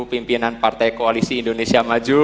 pimpinan partai koalisi indonesia maju